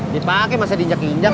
dipake masa diinjak injak